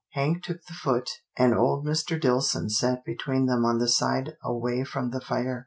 Hank took the foot, and old Mr. Dillson sat between them on the side away from the fire.